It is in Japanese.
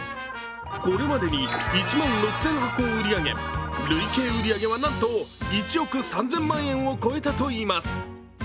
これまでに１万６０００箱を売り上げ、累計売り上げはなんと１億３０００万円を超えたといいます。